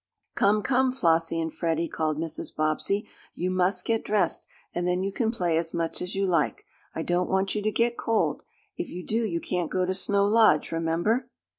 "Come, come, Flossie and Freddie!" called Mrs. Bobbsey. "You must get dressed and then you can play as much as you like. I don't want you to get cold. If you do you can't go to Snow Lodge, remember!"